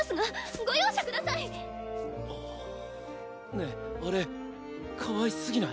ねえあれかわいすぎない？